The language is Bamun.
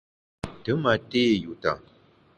Te ma té yuta.